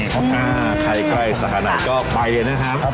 ใครใกล้สักขนาดไหนก็ไปเลยนะครับ